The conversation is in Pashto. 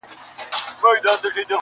ویل سته خو عمل نسته -